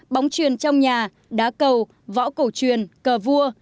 bóng truyền trong nhà đá cầu võ cổ truyền cờ vua